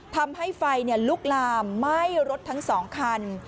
ทำให้ไฟลุกลามไหม้รถทั้ง๒คัน